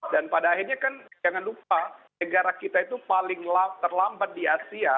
dan pada akhirnya kan jangan lupa negara kita itu paling terlambat di asia